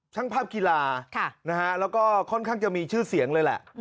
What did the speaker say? ช่างภาพกีฬาแล้วก็ค่อนข้างจะมีชื่อเสียงเลยแหละ